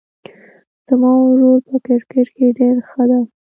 زما ورور په کرکټ کې ډېر ښه ده